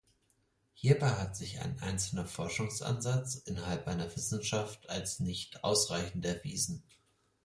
Hierbei hat sich ein einzelner Forschungsansatz innerhalb einer Wissenschaft als nicht ausreichend erwiesen.